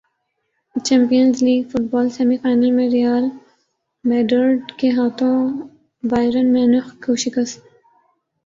champions league football semi final میں Real Madrid کے ہاتھوں بائرن میونخ کو شکست